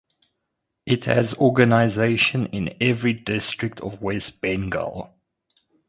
It has organisation in every district of West Bengal.